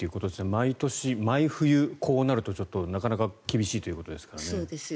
毎年、毎冬、こうなるとなかなか厳しいということですからね。